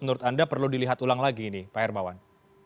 menurut anda perlu dilihat ulang lagi ini pak herbawan